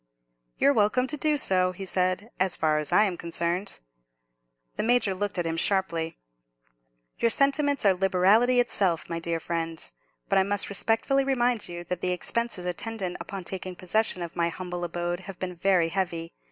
"You're welcome to do so," he said, "as far as I am concerned." The Major looked at him sharply. "Your sentiments are liberality itself, my dear friend. But I must respectfully remind you that the expenses attendant upon taking possession of my humble abode have been very heavy.